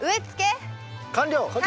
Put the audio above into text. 完了！